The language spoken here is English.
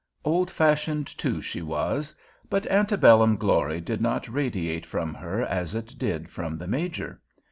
Old fashioned, too, she was; but antebellum glory did not radiate from her as it did from the Major.